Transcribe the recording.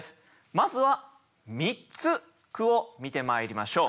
まずは３つ句を見てまいりましょう。